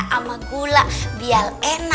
sama gula biar enak